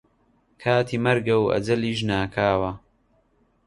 کاتی مەرگە و ئەجەلیش ناکاوە